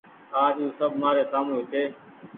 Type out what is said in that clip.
آج او سب مآري سآمون هيتي